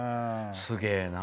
すげえな。